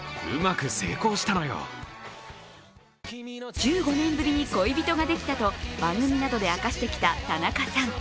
１５年ぶりに恋人ができたと番組などで明かしてきた田中さん。